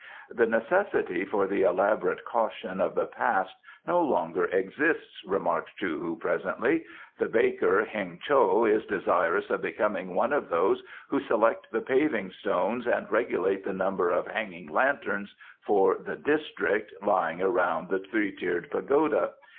"The necessity for the elaborate caution of the past no longer exists," remarked Chou hu presently. "The baker Heng cho is desirous of becoming one of those who select the paving stones and regulate the number of hanging lanterns for the district lying around the Three tiered Pagoda.